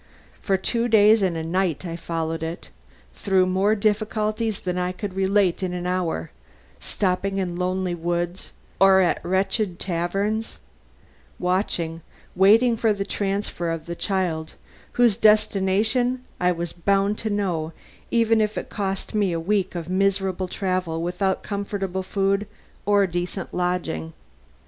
For two days and a night I followed it, through more difficulties than I could relate in an hour, stopping in lonely woods, or at wretched taverns, watching, waiting for the transfer of the child, whose destination I was bound to know even if it cost me a week of miserable travel without comfortable food or decent lodging.